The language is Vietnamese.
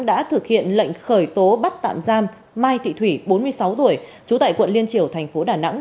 đã thực hiện lệnh khởi tố bắt tạm giam mai thị thủy bốn mươi sáu tuổi chú tại quận liên triều tp đà nẵng